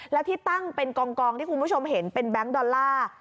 แล้วที่ตั้งเป็นกองที่คุณผู้ชมเห็นเป็นแบงค์ดอลลาร์